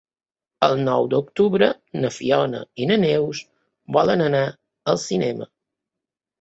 El nou d'octubre na Fiona i na Neus volen anar al cinema.